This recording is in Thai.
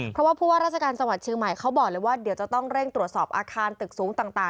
เพราะว่าพวกราชการสวัสดิ์ชื่อใหม่เขาบอกเลยว่า